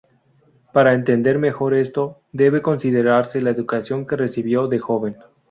Para entender mejor esto, debe considerarse la educación que recibió de joven.